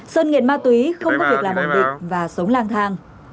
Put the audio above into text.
sơn nghiện ma túy không có việc làm ổn định và sống lang thang